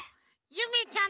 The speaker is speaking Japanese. ゆめちゃん！